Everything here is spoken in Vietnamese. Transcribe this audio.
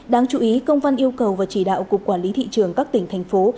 đáng chú ý công văn yêu cầu và chỉ đạo cục quản lý thị trường các tỉnh thành phố